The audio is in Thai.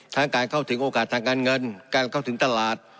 ทั้งการเข้าถึงโอกาสทางการเงินการเข้าถึงตลาด